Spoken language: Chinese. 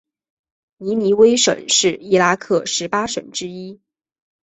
尼尼微省是伊拉克十八省之一。